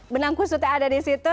benang kusutnya ada di situ